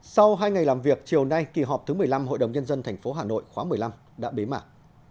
sau hai ngày làm việc chiều nay kỳ họp thứ một mươi năm hội đồng nhân dân tp hà nội khóa một mươi năm đã bế mạc